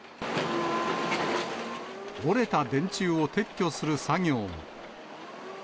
折れた電柱を撤去する作業も。